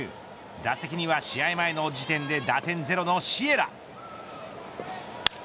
打席には試合前の時点で打点ゼロのシエラ。